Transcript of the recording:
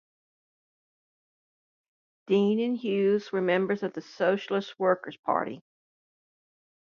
Dean and Hewes were members of the Socialist Workers Party.